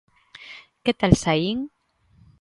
_¿Que tal saín...?